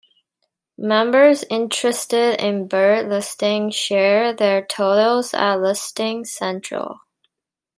Members interested in bird listing share their totals at Listing Central.